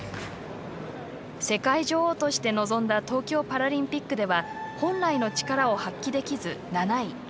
世界女王として臨んだ東京パラリンピックでは本来の力を発揮できず、７位。